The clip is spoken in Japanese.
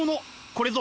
これぞ！